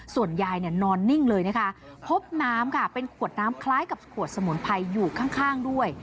ส่วนยายเนี่ยนอนนิ่งเลยนะคะพบน้ำค่ะเป็นขวดน้ำคล้ายกับขวดสมุนไพรอยู่ข้างด้วย